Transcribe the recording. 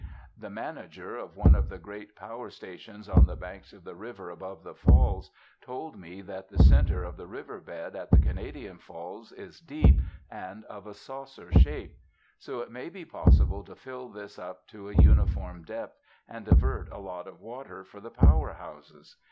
The manager of one of the great power stations on the banks of the river above the Falls told me that the centre of the riverbed at the Canadian Falls is deep and of a saucer shape. So it may be possible to fill this up to a uniform depth, and divert a lot of water for the power houses.